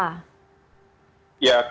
ya kalau yang terbaik ke dokter